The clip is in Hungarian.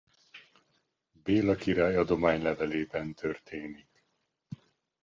Béla király adománylevelében történik.